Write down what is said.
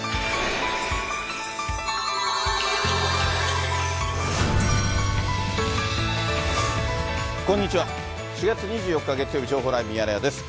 ４月２４日月曜日、情報ライブミヤネ屋です。